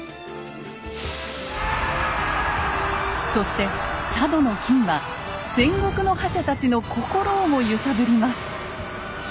そして佐渡の金は戦国の覇者たちの心をも揺さぶります。